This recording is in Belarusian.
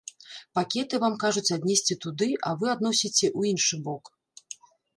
Пакеты вам кажуць аднесці туды, а вы адносіце ў іншы бок.